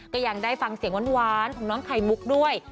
ก็ยังได้ฟังเสียงหวานของน้องไข่มุกด้วย